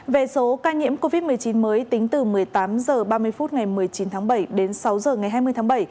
về số ca nhiễm covid một mươi chín mới tính từ một mươi tám h ba mươi phút ngày một mươi chín tháng bảy đến sáu h ngày hai mươi tháng bảy